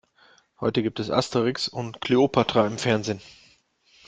Heute gibt es Asterix und Kleopatra im Fernsehen.